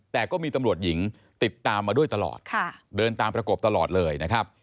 แต่ก็มีตำรวจหญิงติดตามมาด้วยตลอดเดินตามประกบตลอดเลยนะครับ